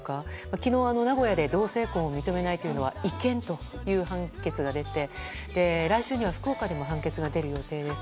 昨日、名古屋で同性婚を認めないのが違憲という判決が出て来週には福岡でも判決が出る予定です。